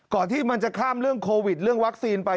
ที่มันจะข้ามเรื่องโควิดเรื่องวัคซีนไป